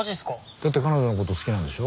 だって彼女のこと好きなんでしょ？